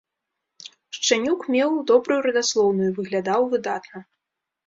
Шчанюк меў добрую радаслоўную і выглядаў выдатна.